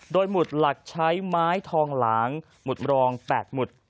โดยหมุดหลักใช้ไม้ทองหลางหมุดมรอง๘หมุด